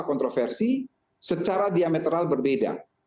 kontroversi secara diametral berbeda